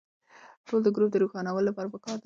توان د ګروپ د روښانولو لپاره پکار دی.